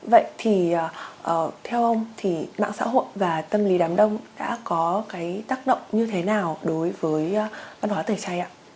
vậy thì theo ông thì mạng xã hội và tâm lý đám đông đã có cái tác động như thế nào đối với văn hóa tẩy chay ạ